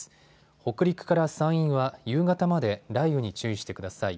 北陸から山陰は夕方まで雷雨に注意してください。